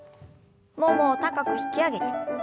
ももを高く引き上げて。